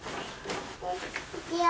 いくよ。